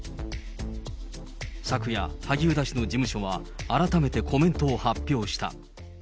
昨夜、萩生田氏の事務所は改めてコメントを発表した。